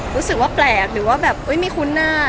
รู้สึกว่าแปลกหรือว่าแบบไม่คุ้นหน้า